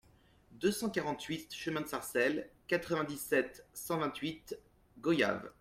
deux cent quarante-huit chemin de Sarcelle, quatre-vingt-dix-sept, cent vingt-huit, Goyave